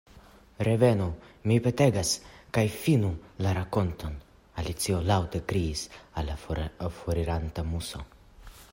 “Revenu, mi petegas, kaj finu la rakonton,” Alicio laŭte kriis al la foriranta Muso.